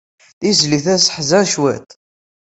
Tizlit-a tesseḥzan cwiṭ.